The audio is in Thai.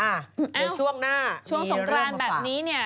อ่าเดี๋ยวช่วงหน้ามีเรื่องประมาณภักดิ์ว่าเอ้าช่วงสงกรรณแบบนี้นี่